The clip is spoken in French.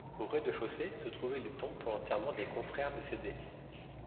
Au rez-de-chaussée se trouvaient les tombes pour l'enterrement des confrères décédés.